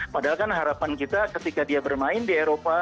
padahal kan harapan kita ketika dia bermain di eropa